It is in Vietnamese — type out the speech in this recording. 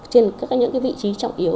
trên các vị trí trọng yếu